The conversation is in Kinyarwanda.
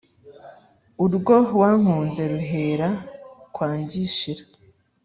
urwo wankunze ruhera kwangishira.